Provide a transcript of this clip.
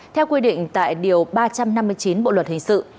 theo quy định tại điều ba trăm năm mươi chín bộ luật hình sự